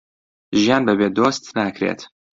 ژیان بەبێ دۆست ناکرێت